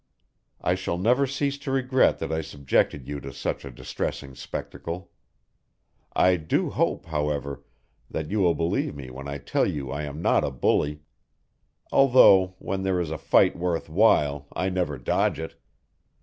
I shall never cease to regret that I subjected you to such a distressing spectacle. I do hope, however, that you will believe me when I tell you I am not a bully, although when there is a fight worth while, I never dodge it.